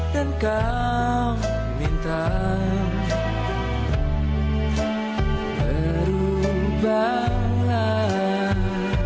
dan kau minta perubahan